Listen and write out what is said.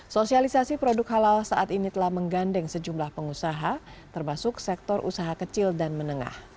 sosialisasi produk halal saat ini telah menggandeng sejumlah pengusaha termasuk sektor usaha kecil dan menengah